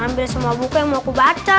ambil semua buku yang mau aku baca